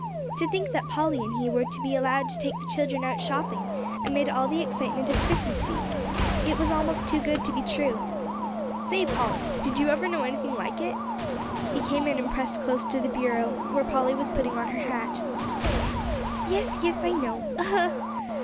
To think that Polly and he were to be allowed to take the children out shopping amid all the excitement of Christmas week! It was almost too good to be true! "Say, Polly, did you ever know anything like it?" He came in and pressed close to the bureau where Polly was putting on her hat. "Yes, yes, I know. Ugh!"